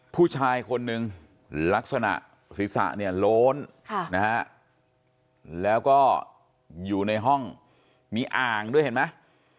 ผู้ชายคนนึงลักษณะศีรษะเนี่ยโล้นแล้วก็อยู่ในห้องมีอ่างด้วยเห็นไหม